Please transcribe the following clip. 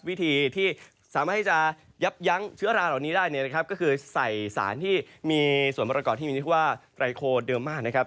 วิธีที่สามารถที่จะยับยั้งเชื้อราเหล่านี้ได้เนี่ยนะครับก็คือใส่สารที่มีส่วนประกอบที่มีเรียกว่าไรโคเดิมมากนะครับ